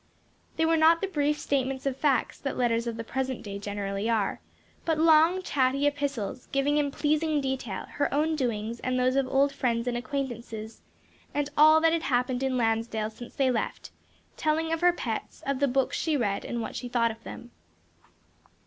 They were not the brief statements of facts that letters of the present day generally are, but long chatty epistles, giving in pleasing detail, her own doings and those of old friends and acquaintances, and all that had happened in Lansdale since they left; telling of her pets, of the books she read and what she thought of them.